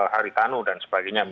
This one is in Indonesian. haritanu dan sebagainya